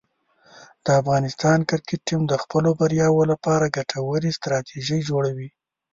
د افغانستان کرکټ ټیم د خپلو بریاوو لپاره ګټورې ستراتیژۍ جوړوي.